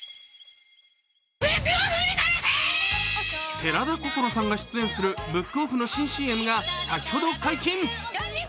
寺田心さんが出演するブックオフの新ＣＭが先ほど解禁。